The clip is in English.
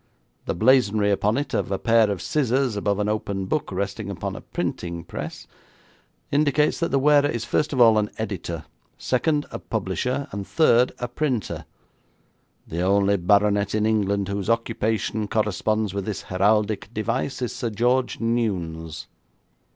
The blazonry upon it of a pair of scissors above an open book resting upon a printing press, indicates that the wearer is first of all an editor; second, a publisher; and third, a printer. The only baronet in England whose occupation corresponds with this heraldic device is Sir George Newnes.'